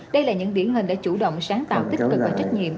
đây là những điển hình đã chủ động sáng tạo tích cực và trách nhiệm